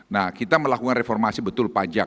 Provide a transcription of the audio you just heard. nah kita melakukan reformasi betul pajak